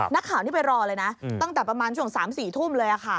นักข่าวนี่ไปรอเลยนะตั้งแต่ประมาณช่วง๓๔ทุ่มเลยค่ะ